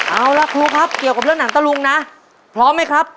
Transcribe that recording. เอาล่ะครูครับเกี่ยวกับเรื่องหนังตะลุงนะพร้อมไหมครับ